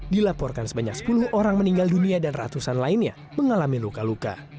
dilaporkan sebanyak sepuluh orang meninggal dunia dan ratusan lainnya mengalami luka luka